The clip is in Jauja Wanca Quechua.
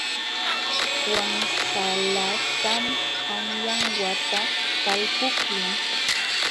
Wansalatam qanyan wata talpuqlun.